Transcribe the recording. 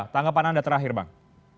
tanggapan anda terakhir bang